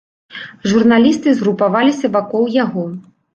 Журналісты згрупаваліся вакол яго.